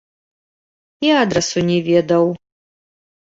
І адрасу не ведаў.